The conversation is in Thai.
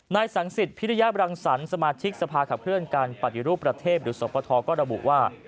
นายสังสิทธิพิริยบรังสรรค์สมาชิกสภาขับเคลื่อนการปฏิรูปประเทศหรือสปทก็ระบุว่า